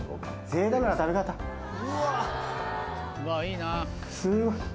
うわいいな。